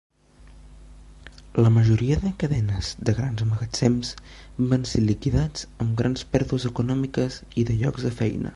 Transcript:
La majoria de cadenes de grans magatzems van ser liquidats amb grans pèrdues econòmiques i de llocs de feina.